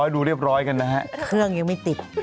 ดูเรียบร้อยกันนะฮะเครื่องยังไม่ติด